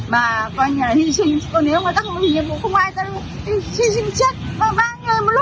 mà coi như là hy sinh còn nếu mà các đồng chí vì nhiệm vụ